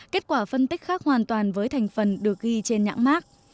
kết quả phân tích khác hoàn toàn với thành phần được ghi trên nhãn mát